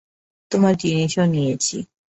তোমার জিনিসও নিয়েছি।